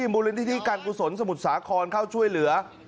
บุริษณ์ที่กลางสมุทรศาครข้าวช่วยเหลือ